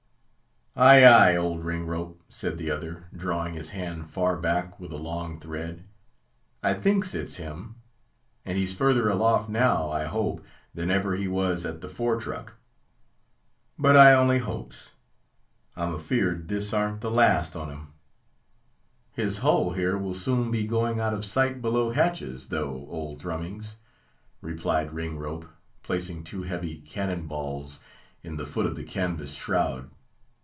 "Ay, ay, old Ringrope," said the other, drawing his hand far back with a long thread, "I thinks it's him; and he's further aloft now, I hope, than ever he was at the fore truck. But I only hopes; I'm afeard this ar'n't the last on him!" "His hull here will soon be going out of sight below hatches, though, old Thrummings," replied Ringrope, placing two heavy cannon balls in the foot of the canvas shroud.